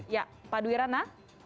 ya pak duirana